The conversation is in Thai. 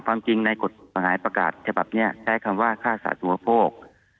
ความจริงในกฎหมายประกาศฉบับนี้ใช้คำว่าฆ่าสาธุปโภค